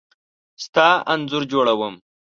ستا انځور جوړوم .